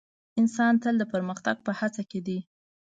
انسان تل د پرمختګ په هڅه کې دی.